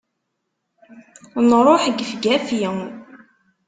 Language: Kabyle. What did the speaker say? Nruḥ gefgafi!